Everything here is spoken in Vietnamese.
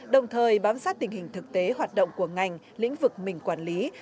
đồng thời bám sát tình hình thực tế hoạt động của ngành lĩnh vực mình quản lý